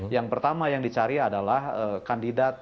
yang pertama yang dicari adalah kandidatnya itu apa